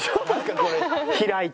これ開いて。